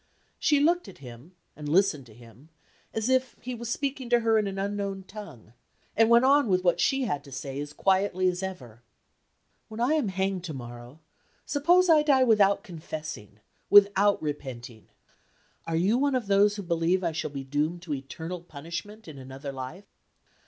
She looked at him, and listened to him, as if he was speaking to her in an unknown tongue, and went on with what she had to say as quietly as ever. "When I am hanged to morrow, suppose I die without confessing, without repenting are you one of those who believe I shall be doomed to eternal punishment in another life?"